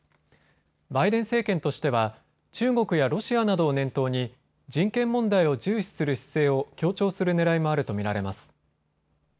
バイデン政権としては中国やロシアなどを念頭に人権問題を重視する姿勢を強調するねらいもあると見られます。